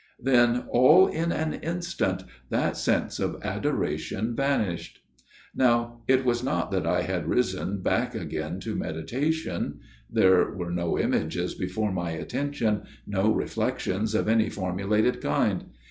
" Then, all in an instant that sense of adoration vanished. " Now it was not that I had risen back again to meditation ; there were no images before my attention, no reflections of any formulated kind.